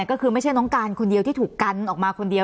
ก็คือไม่ใช่น้องการคนเดียวที่ถูกกันออกมาคนเดียว